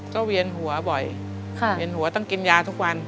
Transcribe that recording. ก็เวียนหัวบ่อยเวียนหัวต้องกินยาทุกวัน